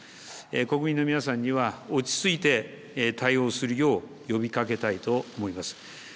国民の皆さんには落ち着いて対応するよう呼びかけたいと思います。